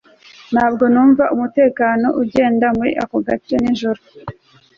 ntabwo numva umutekano ugenda muri ako gace nijoro